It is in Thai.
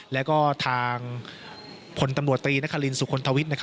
แล้วก็ทางพลตำรวจตรีนครินสุคลทวิทย์